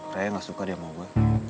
raya gak suka dia sama gue